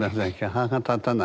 歯が立たない。